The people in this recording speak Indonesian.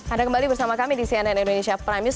anda kembali bersama kami di cnn indonesia prime news